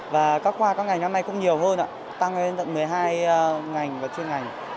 và các khoa các ngành năm nay cũng nhiều hơn tăng lên tận một mươi hai ngành và chuyên ngành